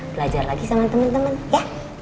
belajar lagi sama temen temen ya